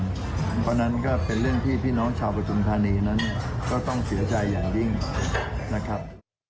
เพราะฉะนั้นก็เป็นเรื่องที่พี่น้องชาวประทุมธานีนั้นก็ต้องเสียใจอย่างยิ่งนะครับ